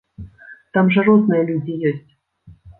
Там жа розныя людзі ёсць.